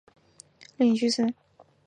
赤乌六年去世。